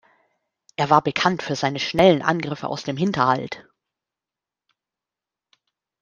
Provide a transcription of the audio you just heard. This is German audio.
Er war bekannt für seine schnellen Angriffe aus dem Hinterhalt.